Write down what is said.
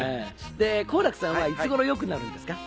で好楽さんはいつ頃良くなるんですか？